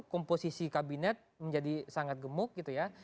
komposisi kabinet menjadi sangat gemuk gitu ya